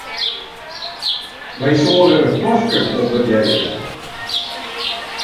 Wy soenen it paske opwurdearje wolle.